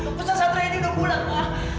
keputusan satria ini udah pulang ma